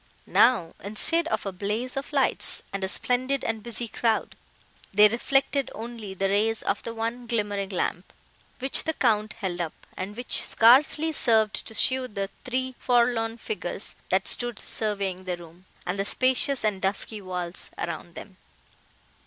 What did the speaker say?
Now, instead of a blaze of lights, and a splendid and busy crowd, they reflected only the rays of the one glimmering lamp, which the Count held up, and which scarcely served to show the three forlorn figures, that stood surveying the room, and the spacious and dusky walls around them.